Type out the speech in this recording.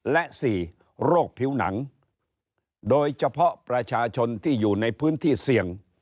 และ๔โรคผิวหนังโดยเฉพาะประชาชนที่อยู่ในพื้นที่เสี่ยง